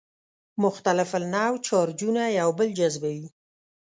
مختلف النوع چارجونه یو بل جذبوي.